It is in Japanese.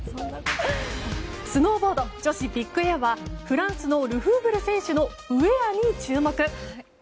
スノーボード女子ビッグエアはフランスのルフーブル選手のウェアに注目。